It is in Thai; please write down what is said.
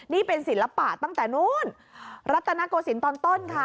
นี่เป็นศิลปะตั้งแต่นู้นรัตนโกศิลป์ตอนต้นค่ะ